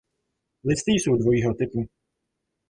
Listy jsou dvojího typu.